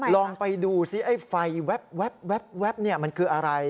ลองไปดูซิไอ้ไฟแว๊บมันคืออะไร